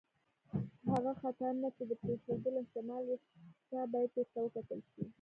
هغه خطرونه چې د پېښېدلو احتمال یې شته، باید ورته وکتل شي.